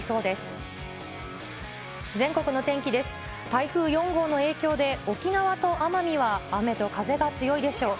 台風４号の影響で、沖縄と奄美は雨と風が強いでしょう。